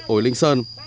ổi linh sơn